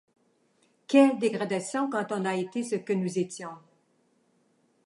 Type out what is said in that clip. Quelle dégradation quand on a été ce que nous étions!